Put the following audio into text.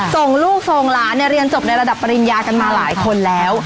ส่งลูกส่งหลานเรียนจบในระดับปริญญากันมาหลายคนแล้ว